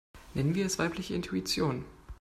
Nennen wir es weibliche Intuition.